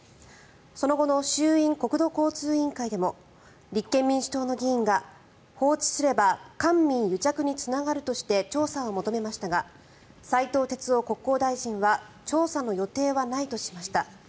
その後の衆院国土交通委員会でも立憲民主党の議員が、放置すれば官民癒着につながるとして調査を求めましたが斉藤鉄夫国交大臣は調査の予定はないとしました。